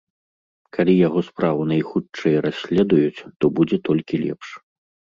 Калі яго справу найхутчэй расследуюць, то будзе толькі лепш.